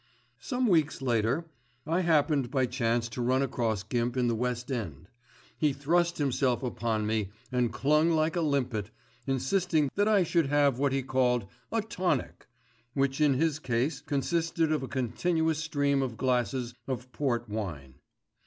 Some weeks later I happened by chance to run across Gimp in the West End. He thrust himself upon me and clung like a limpet, insisting that I should have what he called "a tonic," which in his case consisted of a continuous stream of glasses of port wine.